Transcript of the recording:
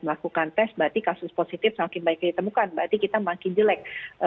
melakukan tes berarti kasus positif semakin baik ditemukan berarti kita makin jelek